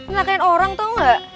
lakuin orang tau gak